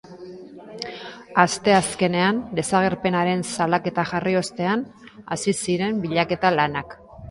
Asteazkenean desagerpenaren salaketa jarri ostean, hasi ziren bilaketa lanak.